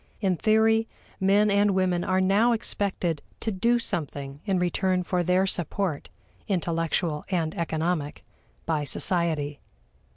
In theory, men and women are now expected to do something in return for their support intellectual and economic by society.